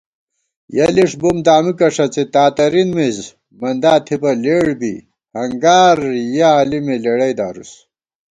یَہ لِݭ بُم دامِکہ ݭڅی تاترِن مِز مندا تھِبہ لېڑ بی ہنگار یَہ عالِمےلېڑئی دارُس